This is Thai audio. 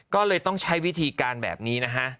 ก็เลยต้องใช้วิธีการแบบนี้นะฮะ